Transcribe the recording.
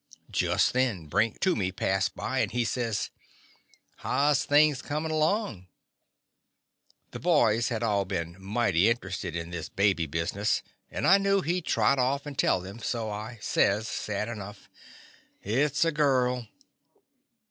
Just then Brink Tuomy passed by, and he says : The Confessions of a Daddy "How 's things comin' along*?" The boys had all been mighty in terested in this baby business, and I « knew he 'd trot off and tell them, so I says, sad enough : "It's a girl."